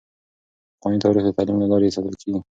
پخوانی تاریخ د تعلیم له لارې ساتل کیږي.